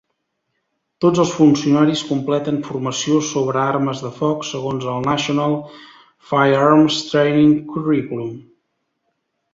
Tots els funcionaris completen formació sobre armes de foc segons el National Firearms Training Curriculum.